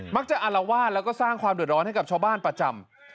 อารวาสแล้วก็สร้างความเดือดร้อนให้กับชาวบ้านประจำ